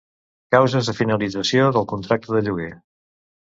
Causes de finalització del contracte de lloguer.